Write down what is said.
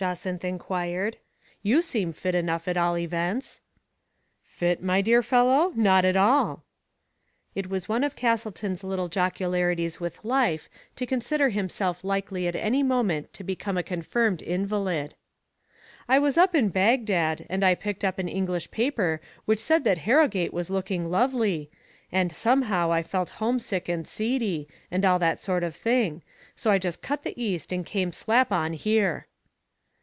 Jacynth inquired. " You seem fit enough at all events.'* " Fit, my dear fellow? not at all." It was one of Castleton's little jocularities with life to consider himself likely at any moment to become a confirmed invalid. " I was up in Bag dad, and I picked up an English paper which said that Harrogate was looking lovely, and somehow I felt homesick and seedy, and all that sort of thing, so I just cut the East and came slap on here."